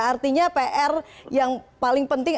artinya pr yang paling penting